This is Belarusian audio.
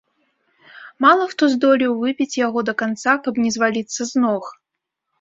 Мала хто здолеў выпіць яго да канца, каб не зваліцца з ног.